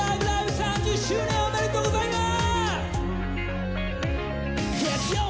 ３０周年おめでとうございます！